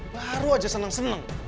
baru aja seneng seneng